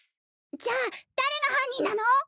じゃあ誰が犯人なの？